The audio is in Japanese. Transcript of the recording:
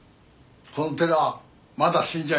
この寺はまだ死んじゃいない。